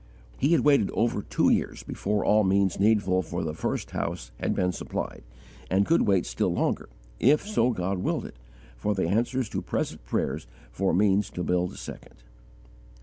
He had waited over two years before all means needful for the first house had been supplied, and could wait still longer, if so God willed it, for the answers to present prayers for means to build a second.